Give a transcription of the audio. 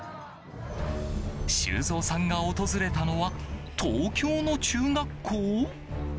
修造さんが訪れたのは東京の中学校？